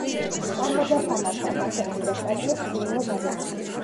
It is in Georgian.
სწავლობდა სამართალს, აქვეყნებდა სტატიებს ჟურნალ-გაზეთებში.